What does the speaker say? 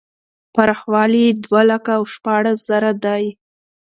پراخوالی یې دوه لکه او شپاړس زره دی.